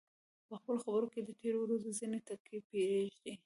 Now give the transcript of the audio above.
په خپلو خبرو کې د تېرې ورځې ځینې ټکي پرېږده.